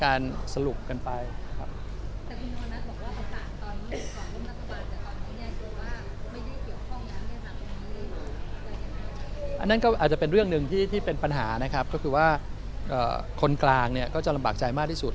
อันนั้นก็อาจจะเป็นเรื่องหนึ่งที่เป็นปัญหานะครับก็คือว่าคนกลางเนี่ยก็จะลำบากใจมากที่สุด